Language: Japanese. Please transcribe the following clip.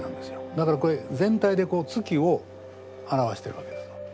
だからこれ全体で月を表しているわけですよ。